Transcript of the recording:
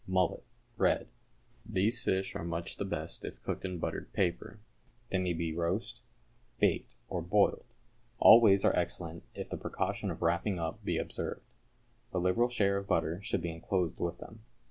=Mullet, Red.= These fish are much the best if cooked in buttered paper. They may be roast, baked, or boiled all ways are excellent if the precaution of wrapping up be observed. A liberal share of butter should be enclosed with them.